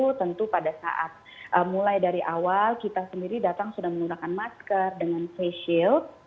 tentu pada saat mulai dari awal kita sendiri datang sudah menggunakan masker dengan face shield